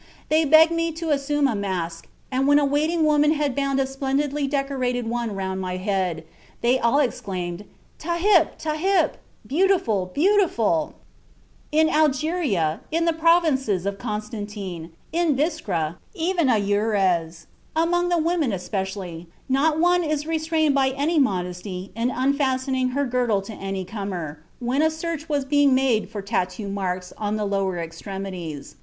They begged me to assume a mask, and when a waiting woman had bound a splendidly decorated one round my head, they all exclaimed: 'Tahip! tahip!' beautiful, beautiful." (J.W. Helfer, Reisen in Vorderasian und Indien, vol. ii, p. 12.) In Algeria in the provinces of Constantine, in Biskra, even Aures, "among the women especially, not one is restrained by any modesty in unfastening her girdle to any comer" (when a search was being made for tattoo marks on the lower extremities).